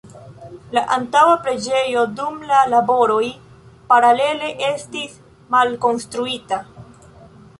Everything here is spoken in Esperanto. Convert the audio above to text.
La antaŭa preĝejo dum la laboroj paralele estis malkonstruita.